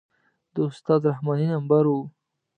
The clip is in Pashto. د استاد رحماني نمبر و.